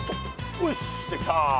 よしできた！